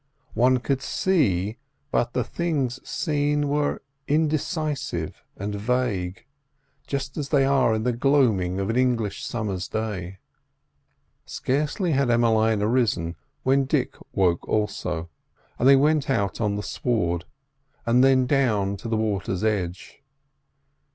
One could see, but the things seen were indecisive and vague, just as they are in the gloaming of an English summer's day. Scarcely had Emmeline arisen when Dick woke also, and they went out on to the sward, and then down to the water's edge.